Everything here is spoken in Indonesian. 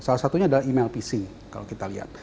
salah satunya adalah email pc kalau kita lihat